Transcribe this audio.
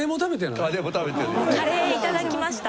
カレーいただきました。